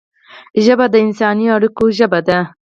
ژبه د انساني اړیکو ژبه ده